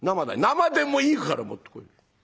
「生でもいいから持ってこい。